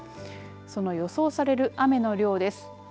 その予想される雨の量です。